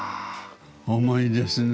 重いですね。